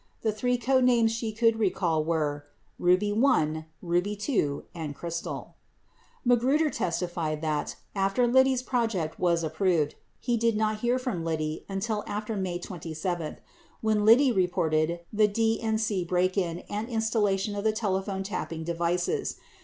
The three code names she could recall were Ruby 1, Ruby 2, and Crystal. 42 Magruder testified that, after Liddy's project was approved, he did not hear from Liddy until after May 27 when Liddy reported the DNC break in and installation of the telephone tapping devices.